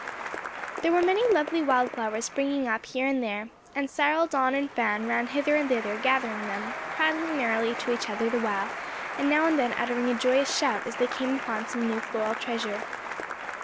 There were many lovely wild flowers springing up here and there, and Cyril, Don and Fan ran hither and thither gathering them, prattling merrily to each other the while, and now and then uttering a joyous shout as they came upon some new floral treasure.